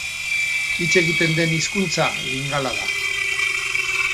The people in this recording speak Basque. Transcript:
Hitz egiten den hizkuntza Lingala da.